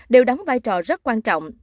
đều đóng vai trò rất quan trọng